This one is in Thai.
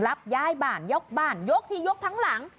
รับย้ายบ้านยกบ้านยกที่ยกทั้งหลัง